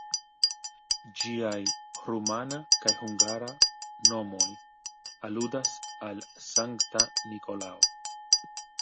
Ĝiaj rumana kaj hungara nomoj aludas al Sankta Nikolao.